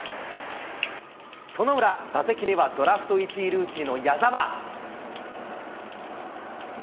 その裏、打席にはドラフト１位ルーキーの矢澤。